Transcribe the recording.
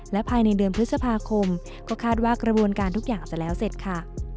และภายในเดือนพฤษภาคมก็คาดว่ากระบวนการทุกอย่างจะแล้วเสร็จค่ะ